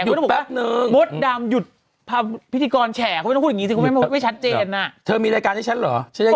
อยู่ก็ต้องบอกว่ามดดำหยุดทำพิธีกรแชร์รู้ถมั้ยบ้างไม่ชัดเจนอ่ะเธอมีรายการให้ไม้ชัดหรอ